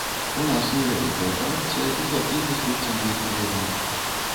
У нас невялікая карупцыя, і злачыннасць быццам бы не вельмі.